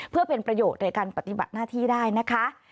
เพื่อเป็นประโยชน์ในการปฏิบัติหน้าที่ได้นะคะ